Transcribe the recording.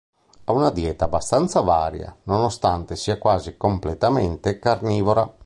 Ha una dieta abbastanza varia nonostante sia quasi completamente carnivora.